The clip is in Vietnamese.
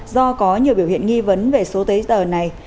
do có nhiều biểu hiện nghi vấn về số giấy tờ này